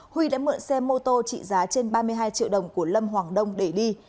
huy đã mượn xe mô tô trị giá trên ba mươi hai triệu đồng của lâm hoàng đông để đi